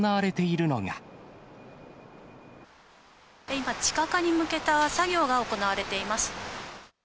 今、地下化に向けた作業が行われています。